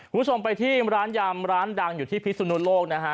ผู้โชว์ไปที่ร้านยำร้านดังอยู่ที่ภิกษ์สุนุญโลกนะฮะ